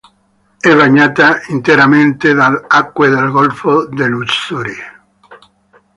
È bagnata interamente dalle acque del golfo dell'Ussuri.